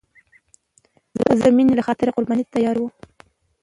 زړه د مینې له خاطره قرباني ته تیار وي.